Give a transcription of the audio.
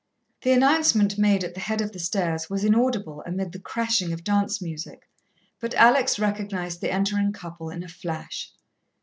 The announcement made at the head of the stairs was inaudible amid the crashing of dance music, but Alex recognized the entering couple in a flash.